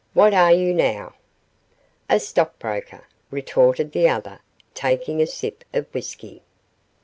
'What are you now?' 'A stockbroker,' retorted the other, taking a sip of whisky.